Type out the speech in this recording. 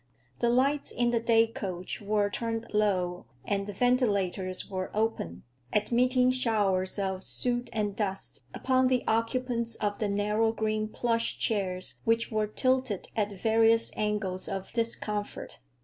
The lights in the day coach were turned low and the ventilators were open, admitting showers of soot and dust upon the occupants of the narrow green plush chairs which were tilted at various angles of discomfort.